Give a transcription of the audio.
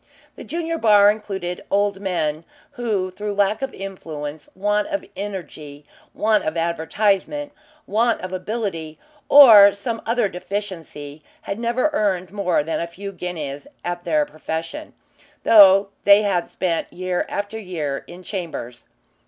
The junior bar included old men, who, through lack of influence, want of energy, want of advertisement, want of ability, or some other deficiency, had never earned more than a few guineas at their profession, though they had spent year after year in chambers.